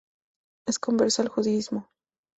Es conversa al judaísmo.